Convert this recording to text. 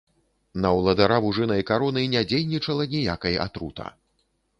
На ўладара вужынай кароны не дзейнічала ніякай атрута.